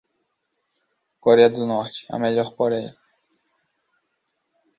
Coreia do Norte, a melhor Coreia